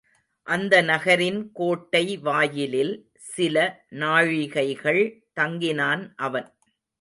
அந்த நகரின் கோட்டை வாயிலில் சில நாழிகைகள் தங்கினான் அவன்.